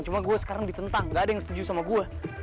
cuma gue sekarang ditentang gak ada yang setuju sama gue